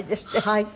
はい。